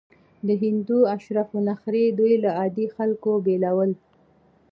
د هندو اشرافو نخرې دوی له عادي خلکو بېلول.